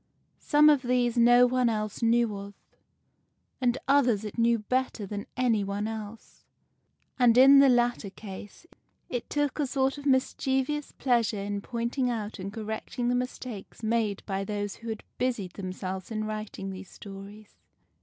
Some of these no one else knew of, and others it knew better than any one else; and, in the latter case, it took a sort of mischievous pleasure in pointing out and correcting the mistakes made by those who had busied themselves in writing these stories.